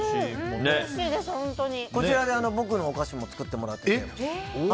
こちらで僕のお菓子も作ってもらってるので。